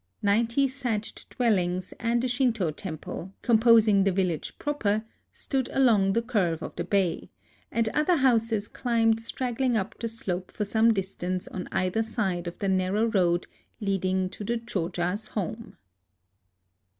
Ninety thatched dwellings and a Shinto temple, composing the village proper, stood along the curve of the bay ; and other houses climbed straggling up the slope for some distance on either side of the nar row road leading to the Choja's home.